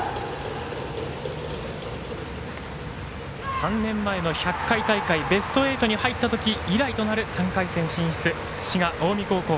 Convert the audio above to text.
３年前の１００回大会ベスト８に入ったとき以来となる３回戦進出、滋賀・近江高校。